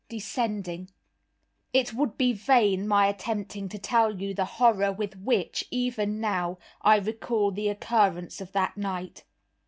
Descending It would be vain my attempting to tell you the horror with which, even now, I recall the occurrence of that night.